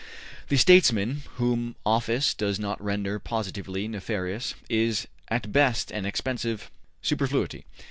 The ``statesman'' whom office does not render positively nefarious is at best an expensive superfluity.